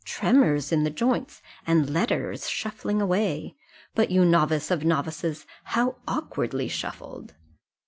tremors in the joints! and letters shuffling away! But, you novice of novices, how awkwardly shuffled!